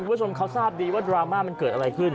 คุณผู้ชมเขาทราบดีว่าดราม่ามันเกิดอะไรขึ้น